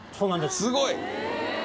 すごい。